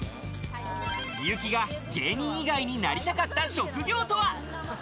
幸が芸人以外になりたかった職業とは？